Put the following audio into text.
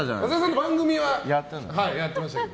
番組はやってましたけど。